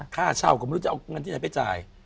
ค่าเช่าก็ไม่รู้จะเอาเงินที่ไหนไปจ่าย